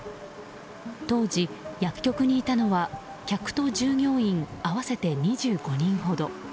当時、薬局にいたのは客と従業員合わせて２５人ほど。